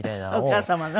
お母様の？